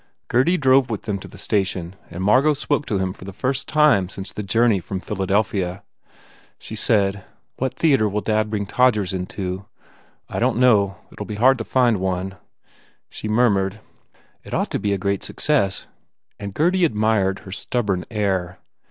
Gurdy drove with them to the station and Margot spoke to him for the first time since the journey from Philadelphia. She said, "What theatre will dad bring Todgers into?" "I don t know. It ll be hard to find one." , She murmured, "It ought to be a great success," and Gurdy admired her stubborn air.